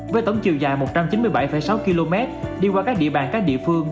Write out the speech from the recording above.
với tổng chiều dài một trăm chín mươi bảy sáu km đi qua các địa bàn các địa phương